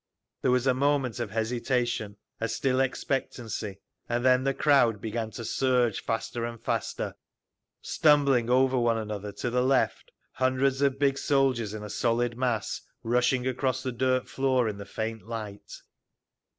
There was a moment of hesitation, a still expectancy, and then the crowd began to surge faster and faster, stumbling over one another, to the left, hundreds of big soldiers in a solid mass rushing across the dirt floor in the faint light….